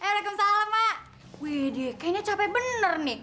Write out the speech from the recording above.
waduh kayaknya capek bener nih